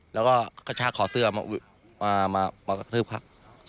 แล้วก็กระชากขอเสื้อมามากระทืบคักกลางถนน